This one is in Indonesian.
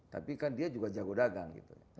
tapi kan dia juga jago dagang gitu